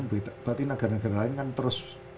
berarti negara negara lain kan terus